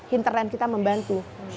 hinterland kita membantu